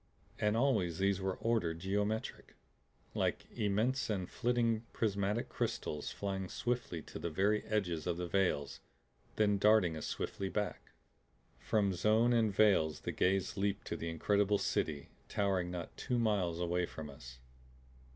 And always these were ordered, geometric like immense and flitting prismatic crystals flying swiftly to the very edges of the veils, then darting as swiftly back. From zone and veils the gaze leaped to the incredible City towering not two miles away from us.